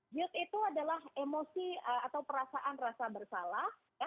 gute itu adalah emosi atau perasaan rasa bersalah